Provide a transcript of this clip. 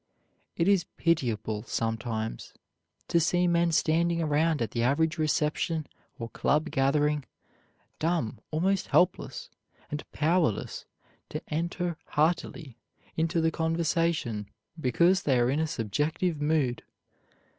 It is pitiable, sometimes, to see men standing around at the average reception or club gathering, dumb, almost helpless, and powerless to enter heartily into the conversation because they are in a subjective mood.